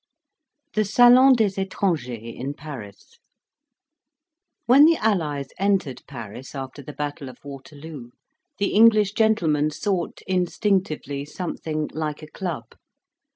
THE SALON DES ETRANGERS IN PARIS When the allies entered Paris, after the Battle of Waterloo, the English gentlemen sought, instinctively, something like a club.